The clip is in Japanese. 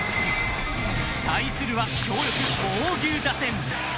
対するは、強力猛牛打線。